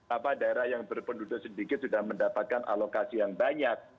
apa daerah yang berpenduduk sedikit sudah mendapatkan alokasi yang banyak